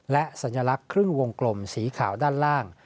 และสัญลักษณ์ครึ่งวงกลมสีขาวด้านล่าง